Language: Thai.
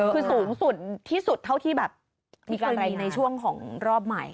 คือสูงสุดที่สุดเท่าที่แบบมีกรณีในช่วงของรอบใหม่